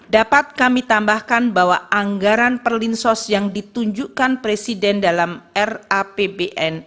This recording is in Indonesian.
dapat kami tambahkan bahwa anggaran perlinsos yang ditunjukkan presiden dalam rapbn